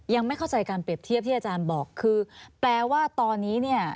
ยังไม่เข้าใจการเปรียบเทียบที่อาจารย์บอกคือแปลว่าตอนนี้เนี่ย